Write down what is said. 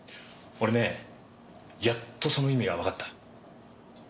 俺ねやっとその意味がわかった。